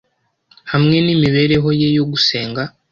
hamwe n’imibereho ye yo gusenga.